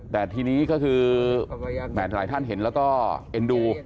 แต่ทีนี้ก็คือแหมหลายท่านเห็นแล้วก็เอ็นดู